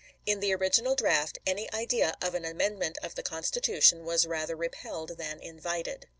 In the original draft any idea of an amendment of the Constitution was rather repelled than invited.